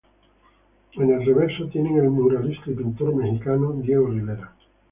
En el Reverso tienen al muralista y pintor mexicano Diego Rivera.